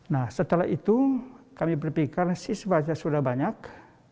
nah setelah itu kami berpikir karena siswa sudah banyak